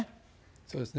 そうですね。